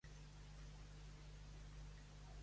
El seu so era similar al de Mineral i Sunny Day Real Estate.